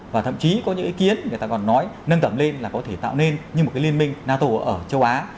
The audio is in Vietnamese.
và thậm chí có những ý kiến người ta còn nói nâng tầm lên là có thể tạo nên như một liên minh nato ở châu á